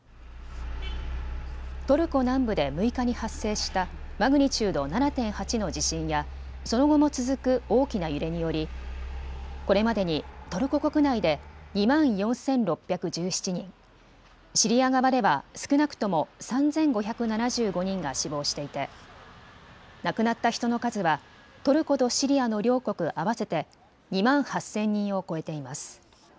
トルコ南部で６日に発生したマグニチュード７．８の地震やその後も続く大きな揺れにより、これまでにトルコ国内で２万４６１７人、シリア側では少なくとも３５７５人が死亡していて亡くなった人の数はトルコとシリアの両国合わせて２万８０００人を超えています。